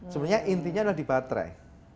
sebenarnya intinya adalah di baterai